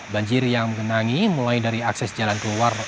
banjir yang mengenangi mulai dari akses jalan keluar